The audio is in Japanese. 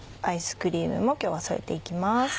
アイスクリームも今日は添えて行きます。